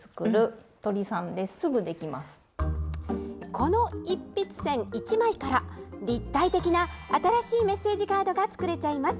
この一筆せん１枚から立体的な新しいメッセージカードが作れちゃいます。